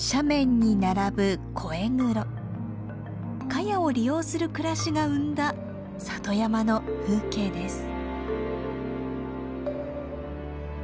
カヤを利用する暮らしが生んだ里山の風景です。